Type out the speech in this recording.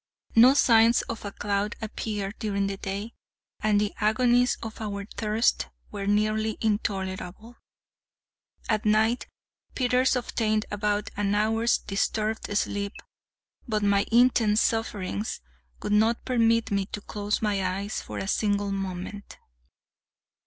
No signs of a cloud appeared during the day, and the agonies of our thirst were nearly intolerable. At night, Peters obtained about an hour's disturbed sleep, but my intense sufferings would not permit me to close my eyes for a single moment.